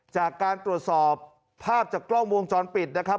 จากการตรวจสอบภาพจากกล้องวงจรปิดนะครับ